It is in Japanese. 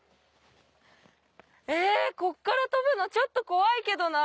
ここから飛ぶのちょっと怖いけどな。